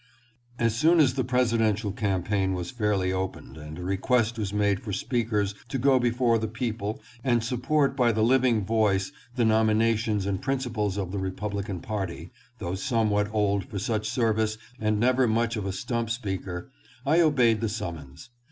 As soon as the presidential campaign was fairly opened and a request was made for speakers to go before the people and support by the living voice the nominations and principles of the Republican party, though somewhat old for such service and never much of a stump speaker, I obeyed the summons.